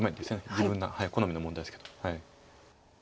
自分の好みの問題ですけど。